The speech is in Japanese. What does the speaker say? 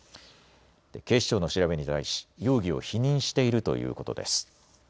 警視庁の調べに対し容疑を否認しているということです。